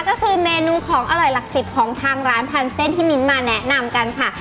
ก็คือเมนูของอร่อยหลักสิบของทางร้านพันเส้นที่มิ้นมาแนะนำกันค่ะ